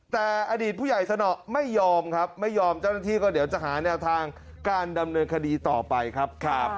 แต่อดีตผู้ใหญ่สนอไม่ยอมครับไม่ยอมเจ้าหน้าที่ก็เดี๋ยวจะหาแนวทางการดำเนินคดีต่อไปครับ